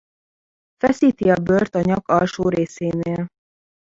Feszíti a bőrt a nyak alsó részénél.